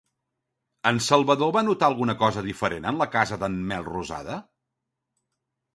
En Salvador va notar alguna cosa diferent en la cara d'en Melrosada?